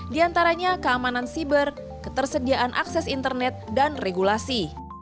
diantaranya keamanan siber ketersediaan akses internet dan regulasi